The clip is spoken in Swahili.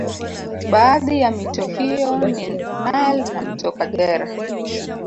Baadhi ya mito hiyo ni Nile na mto Kagera